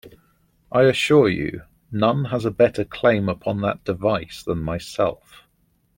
I assure you, none has a better claim upon that device than myself.